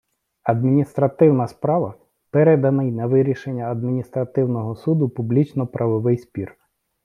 адміністративна справа - переданий на вирішення адміністративного суду публічно-правовий спір